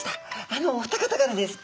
あのお二方からです。